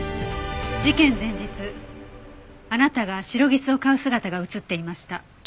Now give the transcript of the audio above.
事件前日あなたがシロギスを買う姿が映っていました。